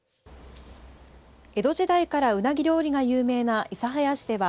江戸時代からうなぎ料理が有名な諫早市では